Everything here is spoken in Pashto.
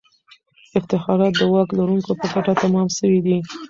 افتخارات د واک لرونکو په ګټه تمام سوي دي.